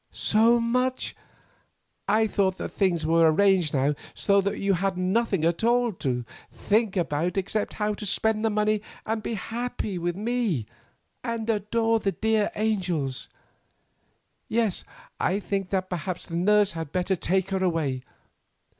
"So much? I thought that things were arranged now so that you had nothing at all to think about except how to spend your money and be happy with me, and adore the dear angels—Yes, I think that perhaps the nurse had better take her away.